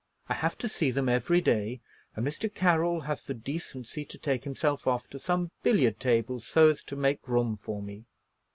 I have to see them every day, and Mr. Carroll has the decency to take himself off to some billiard table so as to make room for me."